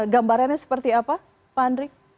gambarannya seperti apa pak andri